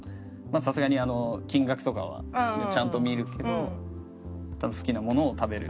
さすがに金額とかはちゃんと見るけど好きなものを食べる